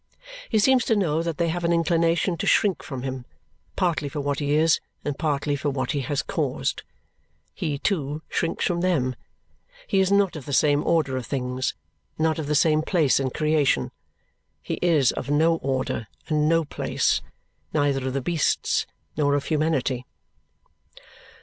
He seems to know that they have an inclination to shrink from him, partly for what he is and partly for what he has caused. He, too, shrinks from them. He is not of the same order of things, not of the same place in creation. He is of no order and no place, neither of the beasts nor of humanity.